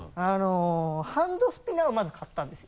ハンドスピナーをまず買ったんですよ。